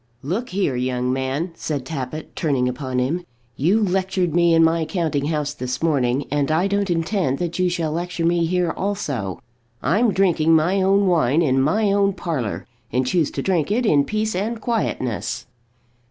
"Look here, young man," said Tappitt, turning upon him. "You lectured me in my counting house this morning, and I don't intend that you shall lecture me here also. I'm drinking my own wine in my own parlour, and choose to drink it in peace and quietness."